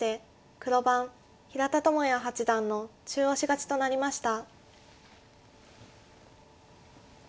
黒番平田八段の中押し勝ちとなりました。